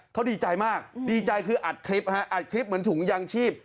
เขาดีใจมากดีใจคืออัดคลิปฮะอัดคลิปเหมือนถุงยางชีพ